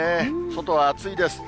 外は暑いです。